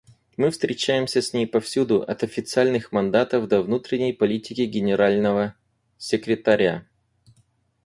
Мы встречаемся с ней повсюду: от официальных мандатов до внутренней политики Генерального секретаря.